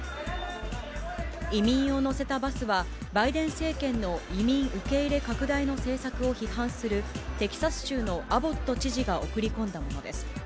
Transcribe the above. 移民を乗せたバスは、バイデン政権の移民受け入れ拡大の政策を批判する、テキサス州のアボット知事が送り込んだものです。